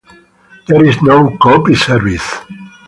There is no copy service.